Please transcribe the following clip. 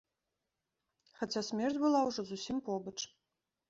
Хаця смерць была ўжо зусім побач.